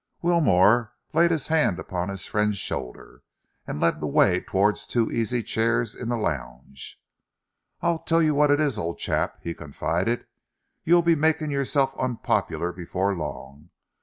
Wilmore laid his hand upon his friend's shoulder and led the way towards two easy chairs in the lounge. "I tell you what it is, old chap," he confided, "you'll be making yourself unpopular before long.